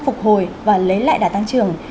phục hồi và lấy lại đả tăng trưởng